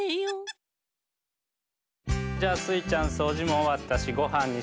じゃあスイちゃんそうじもおわったしごはんにしましょうか。